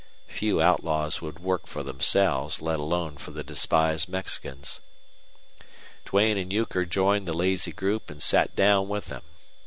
Few outlaws would work for themselves, let alone for the despised Mexicans. Duane and Euchre joined the lazy group and sat down with them.